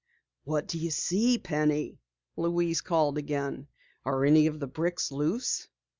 "What do you see, Penny?" Louise called again. "Are any of the bricks loose?"